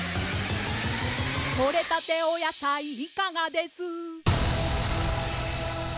「とれたてお野菜いかがです」